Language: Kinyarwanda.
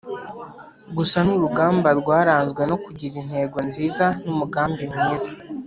Gusa ni urugamba rwaranzwe no kugira intego nziza n’umugambi mwiza.